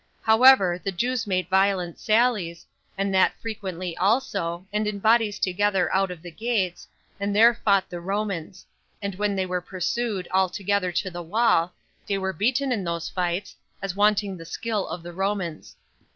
However, the Jews made violent sallies, and that frequently also, and in bodies together out of the gates, and there fought the Romans; and when they were pursued all together to the wall, they were beaten in those fights, as wanting the skill of the Romans.